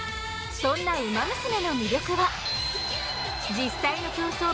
そんな「ウマ娘」の魅力は実際のそして。